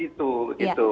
tahan dulu mas ali